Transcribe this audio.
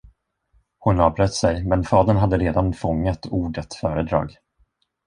Hon avbröt sig, men fadern hade redan fångat ordet föredrag.